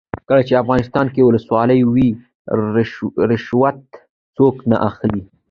کله چې افغانستان کې ولسواکي وي رشوت څوک نه اخلي.